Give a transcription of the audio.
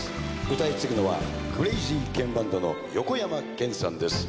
歌い継ぐのはクレイジーケンバンドの横山剣さんです。